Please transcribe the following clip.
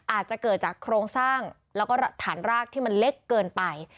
อาจจะเกิดจากโครงสร้างแล้วก็ฐานรากที่มันเล็กเกินไป